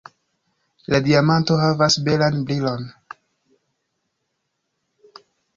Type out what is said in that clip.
La diamanto havas belan brilon.